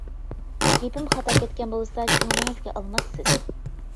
گېپىم خاتا كەتكەن بولسا كۆڭلىڭىزگە ئالماسسىز.